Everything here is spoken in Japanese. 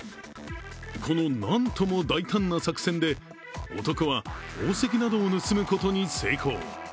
この何とも大胆な作戦で男は宝石などを盗むことに成功。